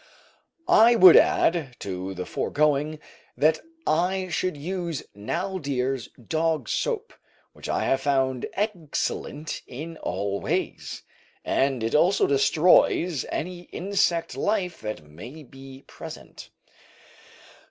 I would add to the foregoing that I should use Naldire's dog soap, which I have found excellent in all ways, and it also destroys any insect life that may be present.